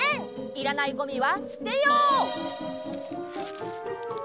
いらないゴミはすてよう！